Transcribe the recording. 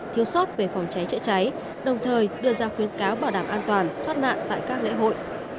thiếu sót về phòng cháy chữa cháy đồng thời đưa ra khuyến cáo bảo đảm an toàn thoát nạn tại các lễ hội